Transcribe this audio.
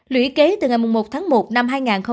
lũy kế từ ngày một tháng một năm hai nghìn một mươi chín